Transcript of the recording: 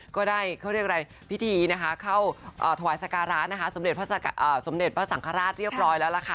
ก็ได้พิธีเข้าถวายสังฆราชสำเด็จพระสังฆราชเรียบร้อยแล้วล่ะค่ะ